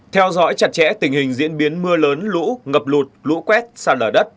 theo dõi chặt chẽ tình hình diễn biến mưa lớn lũ ngập lụt lũ quét sạt lở đất